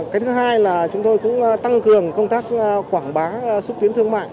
cái thứ hai là chúng tôi cũng tăng cường công tác quảng bá xúc tiến thương mại